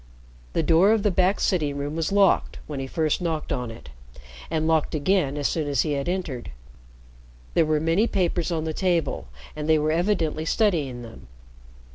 The door of the back sitting room was locked when he first knocked on it, and locked again as soon as he had entered. There were many papers on the table, and they were evidently studying them.